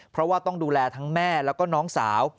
เพราะว่าต้องดูแลทั้งแม่แล้วก็น้องสาว